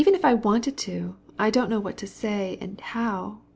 if I wanted to, I don't know what to say or how....